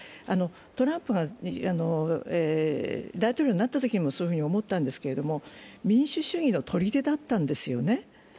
トランプが大統領になったときもそういうふうに思ったんですけれども、民主主義のとりでだったんですよね。